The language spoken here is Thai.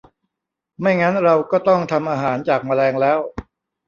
ไม่งั้นเราก็ต้องทำอาหารจากแมลงแล้ว